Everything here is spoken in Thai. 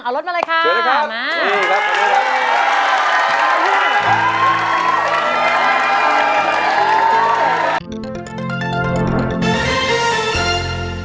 เอารถมาเลยค่ะมาขอบคุณครับขอบคุณครับ